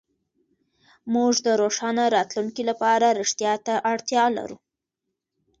موږ د روښانه راتلونکي لپاره رښتيا ته اړتيا لرو.